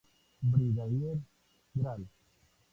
Brigadier Gral.